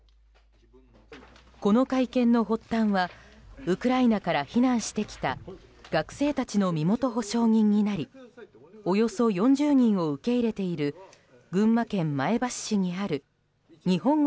この会見の発端はウクライナから避難してきた学生たちの身元保証人になりおよそ４０人を受け入れている群馬県前橋市にある日本語